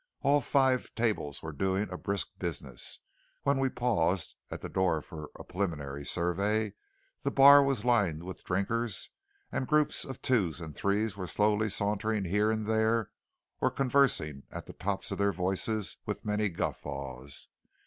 All five tables were doing a brisk business; when we paused at the door for a preliminary survey, the bar was lined with drinkers, and groups of twos and threes were slowly sauntering here and there or conversing at the tops of their voices with many guffaws.